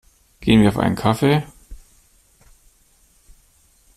Gehen wir auf einen Kaffee?